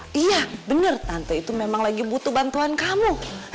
iya bener tante itu memang lagi butuh bantuan kamu